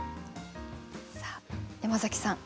さあ山崎さん